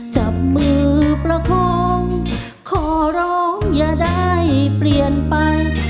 จับมือประคองขอร้องอย่าได้เปลี่ยนไป